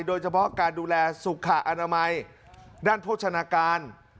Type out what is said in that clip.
โดยเฉพาะการดูแลสุขอนามัยด้านโภชนาการ